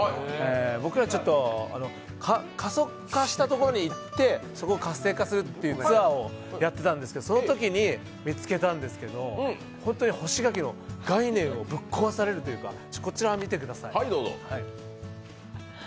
僕ら、過疎化したところに行ってそこを活性化するってツアーやってたんですけどそのときに見つけたんですけど本当に干し柿の概念をぶっ壊されるというかこちら見てください。